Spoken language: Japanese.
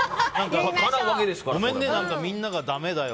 ごめんね、何かみんながだめだよ